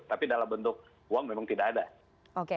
tapi dalam bentuk uang memang tidak ada